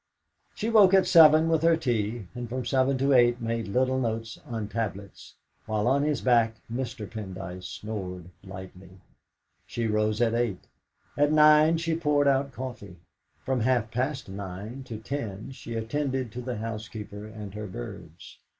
She woke at seven with her tea, and from seven to eight made little notes on tablets, while on his back Mr. Pendyce snored lightly. She rose at eight. At nine she poured out coffee. From half past nine to ten she attended to the housekeeper and her birds.